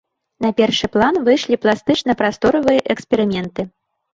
На першы план выйшлі пластычна-прасторавыя эксперыменты.